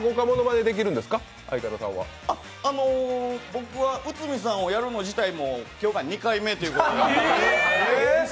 僕は内海さんをやる自体も今日が２回目ということで。